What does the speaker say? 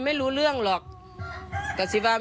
แม่จะมาเรียกร้องอะไร